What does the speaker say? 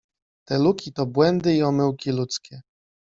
Te luki to błędy i omyłki ludzkie.